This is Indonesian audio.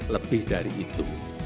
lebih dari itu